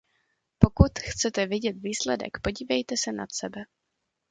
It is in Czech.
Pokud chcete vidět výsledek, podívejte se nad sebe.